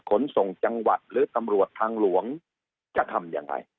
ขนส่งจังหวัดหรือตำรวจทางหลวงจะทำยังไง